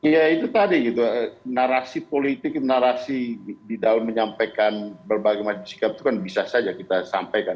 ya itu tadi gitu narasi politik narasi di dalam menyampaikan berbagai macam sikap itu kan bisa saja kita sampaikan